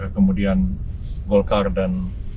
kemudian golkar dan